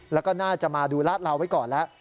แล้วก็น่าจะมาดูลาดเหลาไว้ก่อนแล้ว